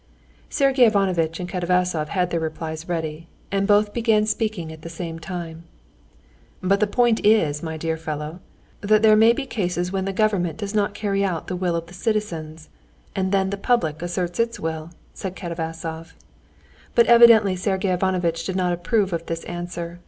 Sergey Ivanovitch and Katavasov had their replies ready, and both began speaking at the same time. "But the point is, my dear fellow, that there may be cases when the government does not carry out the will of the citizens and then the public asserts its will," said Katavasov. But evidently Sergey Ivanovitch did not approve of this answer.